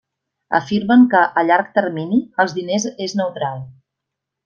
Afirmen que, a llarg termini, els diners és neutral.